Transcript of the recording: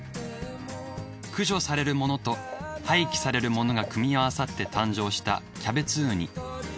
駆除されるものと廃棄されるものが組み合わさって誕生したキャベツウニ。